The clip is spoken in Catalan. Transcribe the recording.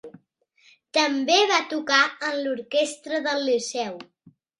També va tocar en l'orquestra del Liceu.